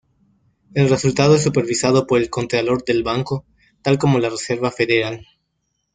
El resultado es supervisado por el contralor del banco, tal como la Reserva Federal.